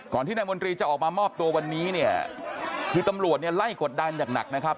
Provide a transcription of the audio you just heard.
ที่นายมนตรีจะออกมามอบตัววันนี้เนี่ยคือตำรวจเนี่ยไล่กดดันอย่างหนักนะครับ